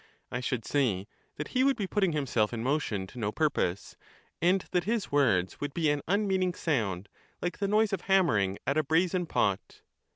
I should say that he would be putting himself in motion to no purpose ; and that his words would be an un meaning sound like the noise of hammering at a brazen pot.